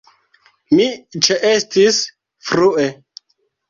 Mi ĉeestis frue.